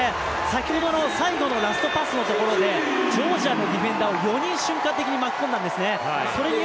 先ほどの最後のラストパスのところでジョージアのディフェンダーを４人、瞬間的に巻き込んだんですね。